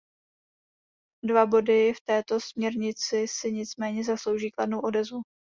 Dva body v této směrnici si nicméně zaslouží kladnou odezvu.